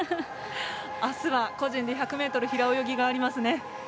あすは個人で１００ｍ平泳ぎがありますね。